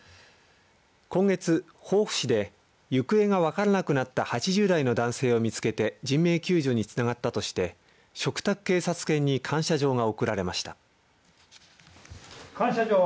今月、防府市で行方が分からなくなった８０代の男性を見つけて人命救助につながったとして嘱託警察犬に感謝状が贈られました。